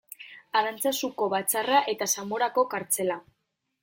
Arantzazuko batzarra eta Zamorako kartzela.